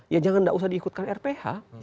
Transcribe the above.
ya jangan tidak usah diikutkan rph